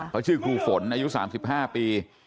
เขาชื่อครูฝนอายุ๓๕ปี